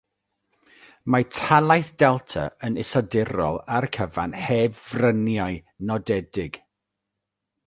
Mae Talaith Delta yn iseldirol ar y cyfan heb fryniau nodedig.